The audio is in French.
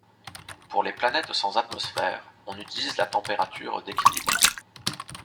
Pour les planètes sans atmosphère, on utilise la température d’équilibre.